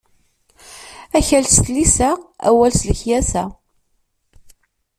Akkal s tlisa, awal s lekyasa.